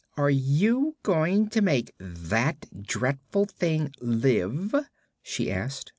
"Are you going to make that dreadful thing live?" she asked.